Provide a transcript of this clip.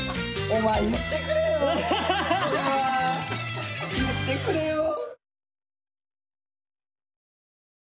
お前言ってくれよ。